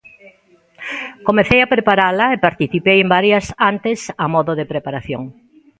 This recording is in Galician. Comecei a preparala e participei en varias antes a modo de preparación.